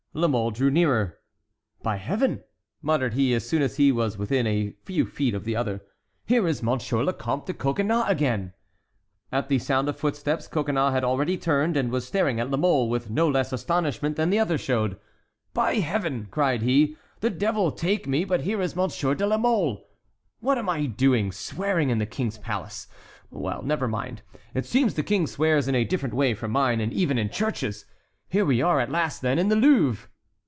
La Mole drew nearer. "By Heaven!" muttered he as soon as he was within a few feet of the other, "here is Monsieur le Comte de Coconnas again!" At the sound of footsteps Coconnas had already turned, and was staring at La Mole with no less astonishment than the other showed. "By Heaven!" cried he. "The devil take me but here is Monsieur de la Mole! What am I doing? Swearing in the King's palace? Well, never mind; it seems the King swears in a different way from mine, and even in churches. Here we are at last, then, in the Louvre!"